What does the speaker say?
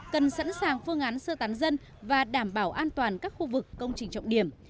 cần sẵn sàng phương án sơ tán dân và đảm bảo an toàn các khu vực công trình trọng điểm